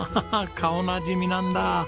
顔なじみなんだ。